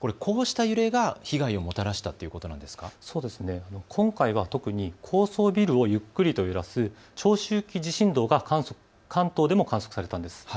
こうした揺れが被害をもたらしたということなんですが今回は特に高層ビルをゆっくりと揺らす長周期地震動が関東でも観測されたんです。